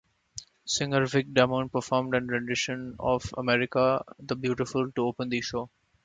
Singer Vic Damone performed an rendition of "America the Beautiful" to open the show.